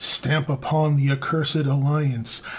Stamp upon the accursed alliance!